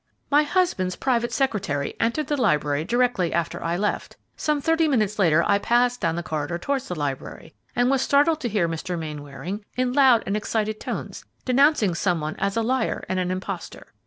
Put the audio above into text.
"My husband's private secretary entered the library directly after I left. Some thirty minutes later I passed down the corridor towards the library, and was startled to hear Mr. Mainwaring, in loud and excited tones, denouncing some one as a liar and an impostor.